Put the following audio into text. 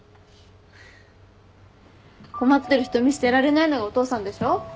困ってる人見捨てられないのがお父さんでしょ？